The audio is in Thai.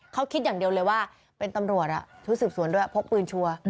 เขาคิดอย่างเดียวเลยว่าเป็นตำรวจชุดสืบสวนด้วยพกปืนชัวร์